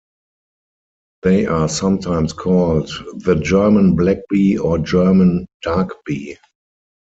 They are sometimes called the German black bee or German dark bee.